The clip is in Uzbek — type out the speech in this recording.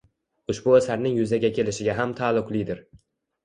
Ushbu asarning yuzaga kelishiga ham taalluqlidir.